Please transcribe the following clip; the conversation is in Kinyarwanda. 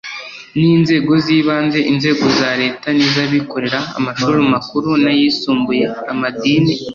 n Inzego z ibanze Inzego za Leta n iz Abikorera Amashuri makuru n ayisumbuye Amadini